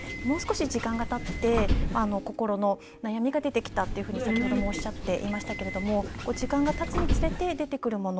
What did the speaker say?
時間ができて心の悩みが出てきたって先ほどもおっしゃっていましたけど時間がたつにつれて出てくるもの